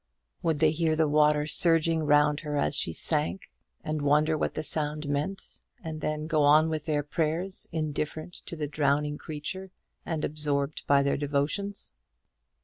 Would they hear the water surging round her as she sank, and wonder what the sound meant, and then go on with their prayers, indifferent to the drowning creature, and absorbed by their devotions?